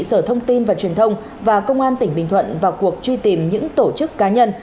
sở thông tin và truyền thông và công an tỉnh bình thuận vào cuộc truy tìm những tổ chức cá nhân